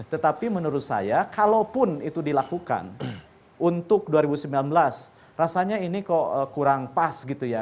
tetapi menurut saya kalaupun itu dilakukan untuk dua ribu sembilan belas rasanya ini kok kurang pas gitu ya